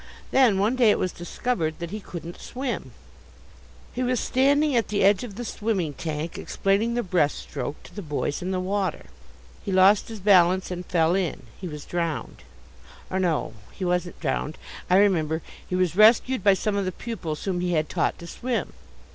Then one day it was discovered that he couldn't swim. He was standing at the edge of the swimming tank explaining the breast stroke to the boys in the water. He lost his balance and fell in. He was drowned. Or no, he wasn't drowned, I remember, he was rescued by some of the pupils whom he had taught to swim.